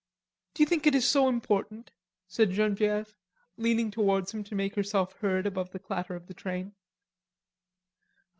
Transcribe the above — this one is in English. "Do you think it is so important?" said Genevieve, leaning towards him to make herself heard above the clatter of the train.